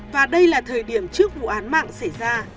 và đây là thời điểm trước vụ án mạng xảy ra